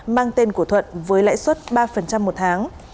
mang tên của thuận với lãi suất ba một tháng